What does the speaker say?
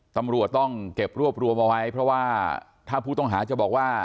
ตำรวจต้องเก็บรวบรวมเอาไว้เพราะว่าถ้าผู้ต้องหาจะบอกว่า